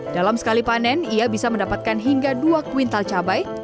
dalam sekali panen ia bisa mendapatkan hingga dua kuintal cabai